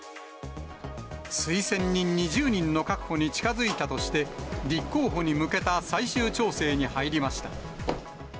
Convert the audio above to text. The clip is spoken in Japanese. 推薦人２０人の確保に近づいたとして、立候補に向けた最終調整に入りました。